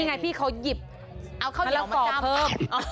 นี่ไงพี่เขายิบเอาข้าวเยาว์มาตั้งมะละก่อเพิ่ม